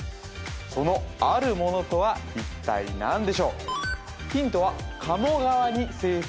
そのあるものとは一体何でしょう？